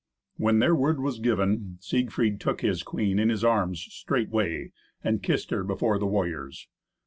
When their word was given, Siegfried took his queen in his arms straightway, and kissed her before the warriors.